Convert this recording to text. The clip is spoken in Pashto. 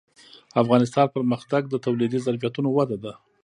اقتصادي پرمختګ د تولیدي ظرفیتونو وده ده.